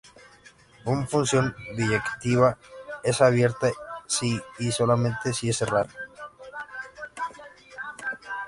Un función biyectiva es abierta si y solamente si es cerrada.